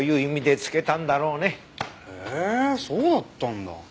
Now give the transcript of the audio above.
へえそうだったんだ。